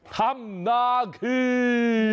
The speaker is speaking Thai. ธรรมนาคี